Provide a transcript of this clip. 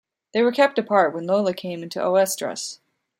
They were kept apart when Lola came into oestrus.